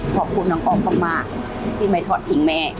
ขอบคุณน้องอ้อมมากที่ไม่ทอดทิ้งแม่